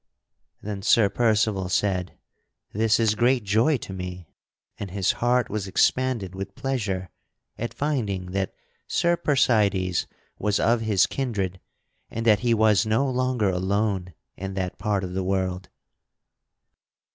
Then Sir Percival said: "This is great joy to me!" And his heart was expanded with pleasure at finding that Sir Percydes was of his kindred and that he was no longer alone in that part of the world.